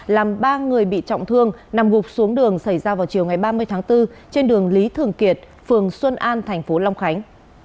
làm ba người bị trọng thương nằm gục xuống đường xảy ra vào chiều ba mươi tháng bốn trên đường lý thường kiệt phường xuân an tp long khánh